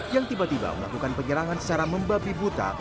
yang tiba tiba melakukan penyerangan secara membabi buta